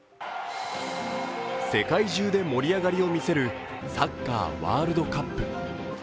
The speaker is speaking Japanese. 世界中で盛り上がりを見せるサッカーワールドカップ。